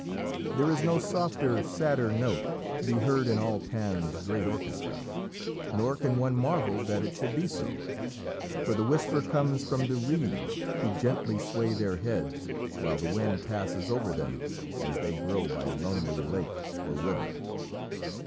There is no softer, sadder note to be heard in all Pan's great orchestra, nor can one marvel that it should be so, for the whisper comes from the reeds who gently sway their heads while the wind passes over them as they grow by lonely lake or river.